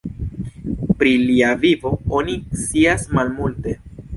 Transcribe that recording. Pri lia vivo oni scias malmulte.